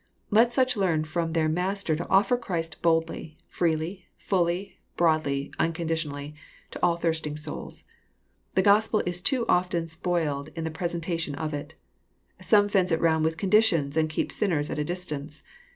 Let such learn Arom their Master to offer Christ boldly, ft'eely, ftilly, broadly, unconditionally, to all thirsting souls. The Gospel is too often spoiled in the presentation of it. Some fence it round with conditions, and keep sinners at a distance.